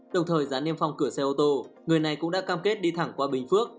đồng thời giá niêm phòng cửa xe ô tô người này cũng đã cam kết đi thẳng qua bình phước